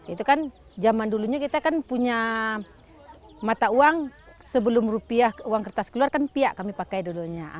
itu kan zaman dulunya kita kan punya mata uang sebelum rupiah uang kertas keluar kan pihak kami pakai dulunya